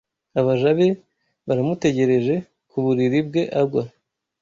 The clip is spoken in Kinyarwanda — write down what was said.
Abaja be baramutegereje; ku buriri bwe agwa